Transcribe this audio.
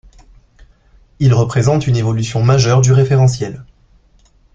Il représente une évolution majeure du référentiel.